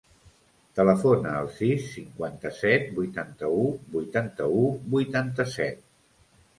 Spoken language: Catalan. Telefona al sis, cinquanta-set, vuitanta-u, vuitanta-u, vuitanta-set.